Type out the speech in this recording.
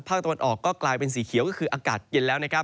ตะวันออกก็กลายเป็นสีเขียวก็คืออากาศเย็นแล้วนะครับ